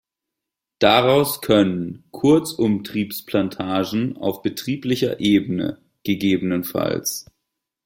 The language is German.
Daraus können Kurzumtriebsplantagen auf betrieblicher Ebene ggf.